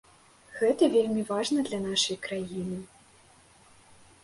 Гэта вельмі важна для нашай краіны.